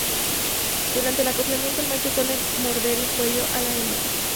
Durante el acoplamiento el macho suele morder el cuello a la hembra.